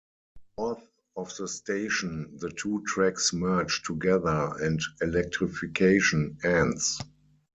North of the station, the two tracks merge together and electrification ends.